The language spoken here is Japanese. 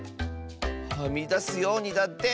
はみだすようにだって。